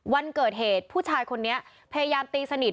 วันเกิดเหตุผู้ชายคนนี้พยายามตีสนิท